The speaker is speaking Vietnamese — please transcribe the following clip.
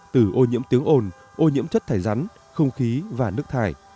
từ ô nhiễm tiếng ồn ô nhiễm chất thải rắn không khí và nước thải